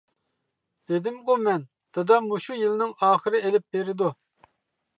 -دېدىمغۇ مەن، دادام مۇشۇ يىلنىڭ ئاخىرى ئېلىپ بېرىدۇ.